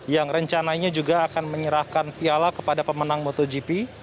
yang rencananya juga akan menyerahkan piala kepada pemenang motogp